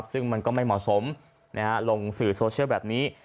ซึ่งมันก็ไม่เหมาะสมลงสื่อโซเชียลแบบนี้